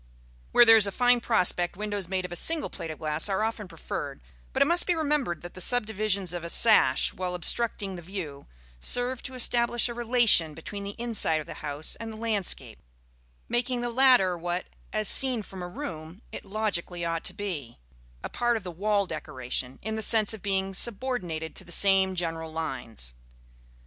Where there is a fine prospect, windows made of a single plate of glass are often preferred; but it must be remembered that the subdivisions of a sash, while obstructing the view, serve to establish a relation between the inside of the house and the landscape, making the latter what, as seen from a room, it logically ought to be: a part of the wall decoration, in the sense of being subordinated to the same general lines.